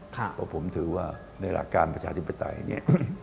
เพราะผมถือว่าในหลักการประชาธิปไตยเนี่ย